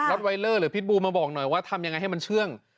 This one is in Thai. ไวเลอร์หรือพิษบูมาบอกหน่อยว่าทำยังไงให้มันเชื่อง